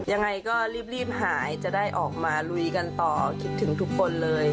ยังไงก็รีบหายจะได้ออกมาลุยกันต่อคิดถึงทุกคนเลย